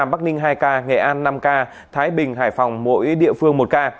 bắc ninh hai ca nghệ an năm ca thái bình hải phòng mỗi địa phương một ca